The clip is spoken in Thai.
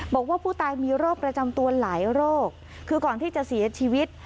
บอกว่าผู้ตายมีโรคประจำตัวหลายโรคคือก่อนที่จะเสียชีวิต